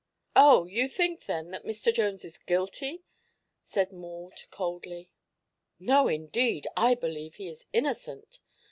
"Oh. You think, then, that Mr. Jones is guilty?" said Maud coldly. "No, indeed; I believe he is innocent.